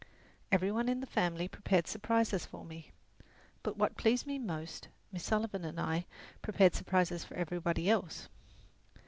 Every one in the family prepared surprises for me, but what pleased me most, Miss Sullivan and I prepared surprises for everybody else.